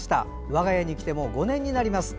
我が家に来てもう５年になります。